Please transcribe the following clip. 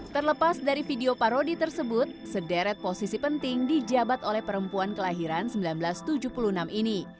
terlepas dari video parodi tersebut sederet posisi penting dijabat oleh perempuan kelahiran seribu sembilan ratus tujuh puluh enam ini